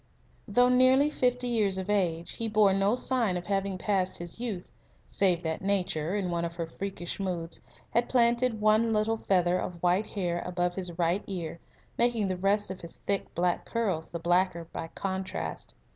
Though nearly fifty years of age, he bore no sign of having passed his youth, save that Nature, in one of her freakish moods, had planted one little feather of white hair above his right ear, making the rest of his thick black curls the darker by contrast.